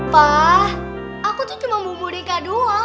pak aku itu cuma bumbu deka doang